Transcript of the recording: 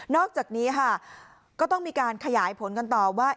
อกจากนี้ค่ะก็ต้องมีการขยายผลกันต่อว่า